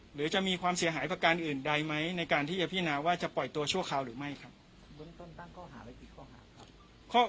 หรือจะมีความเสียหายประการอื่นใดไหมในการที่จะพินาว่าจะปล่อยตัวชั่วคราวหรือไม่ครับเบื้องต้นตั้งข้อหาไว้กี่ข้อหาครับ